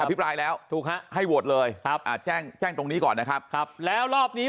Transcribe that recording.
อภิปรายแล้วให้โหวตเลยแจ้งแจ้งตรงนี้ก่อนนะครับแล้วรอบนี้